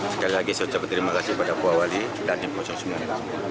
sekali lagi saya ucapkan terima kasih kepada pak wali dan di poso sembilan